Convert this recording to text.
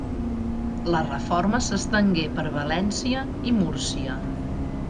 La reforma s'estengué per València i Múrcia.